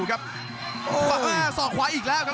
รับทราบบรรดาศักดิ์